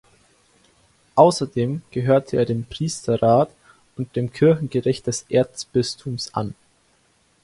Außerdem gehörte er dem Priesterrat und dem Kirchengericht des Erzbistums an.